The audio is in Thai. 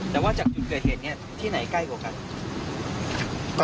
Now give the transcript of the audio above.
แต่ว่าจากจุดเกิดเหตุนี้ที่ไหนใกล้กว่ากัน